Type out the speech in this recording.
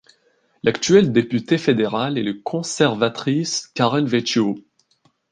L'actuel député fédéral est le conservatrice Karen Vecchio.